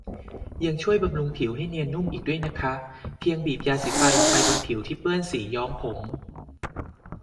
ยังช่วยบำรุงผิวให้เนียนนุ่มอีกด้วยนะคะ เพียงบีบยาสีฟันลงไปบนผิวที่เปื้อนสีย้อมผม